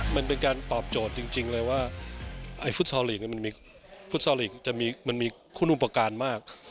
มันเป็นการตอบโจทย์จริงเลยว่าฟุตซอลลีกมันมีคุณุปการมาก